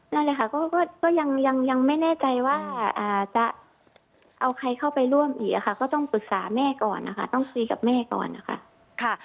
นั่นแหละค่ะก็ยังไม่แน่ใจว่าจะเอาใครเข้าไปร่วมอีกค่ะก็ต้องปรึกษาแม่ก่อนนะคะต้องคุยกับแม่ก่อนนะคะ